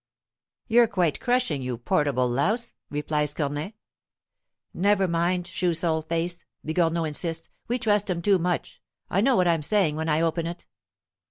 "You're quite crushing, you portable louse," replies Cornet. "Never mind, shoe sole face," Bigornot insists; "we trust 'em too much. I know what I'm saying when I open it."